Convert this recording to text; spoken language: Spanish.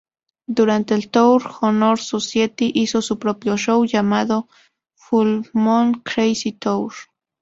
Durante el tour, Honor Society hizo su propio show llamado "Full Moon Crazy Tour.